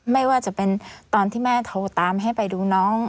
ไม่ว่าจะเป็นตอนที่แม่โทรตามให้ไปดูน้อง